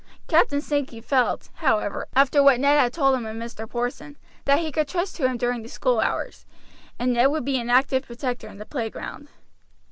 Captain Sankey felt, however, after what Ned had told him of Mr. Porson, that he could trust to him during the school hours, and Ned would be an active protector in the playground.